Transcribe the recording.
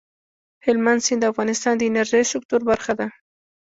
هلمند سیند د افغانستان د انرژۍ سکتور برخه ده.